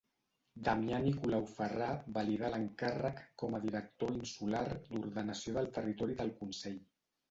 Damià Nicolau Ferrà validà l'encàrrec com a director insular d'Ordenació del Territori del Consell.